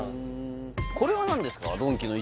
これは何ですか？